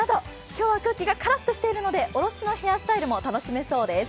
今日は空気がカラッとしているので、おろしのヘアスタイルも楽しめそうです。